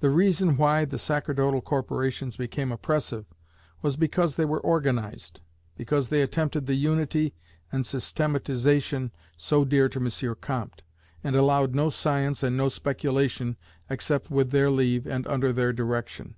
The reason why the sacerdotal corporations became oppressive, was because they were organized: because they attempted the "unity" and "systematization" so dear to M. Comte, and allowed no science and no speculation, except with their leave and under their direction.